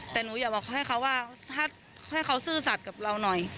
แต่หนูอยากบอกให้เขาว่าให้เขาซื่อสัตว์กับเราหน่อย